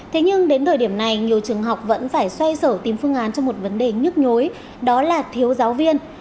thế nhưng đến thời điểm này nhiều trường học vẫn phải xoay sở tìm phương án cho một vấn đề nhức nhối đó là thiếu giáo viên